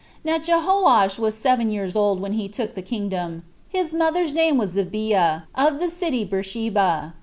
Now Jehoash was seven years old when he took the kingdom. His mother's name was Zibiah, of the city Beersheba.